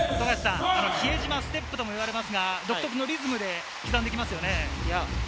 比江島ステップと言われますが、独特のリズムで刻んできますよね。